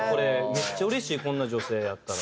めっちゃうれしいこんな女性やったら。